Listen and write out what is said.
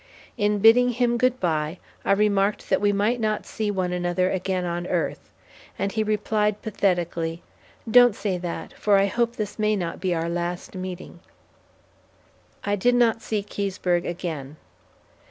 In bidding him good bye, I remarked that we might not see one another again on earth, and he replied pathetically, "Don't say that, for I hope this may not be our last meeting." I did not see Keseberg again.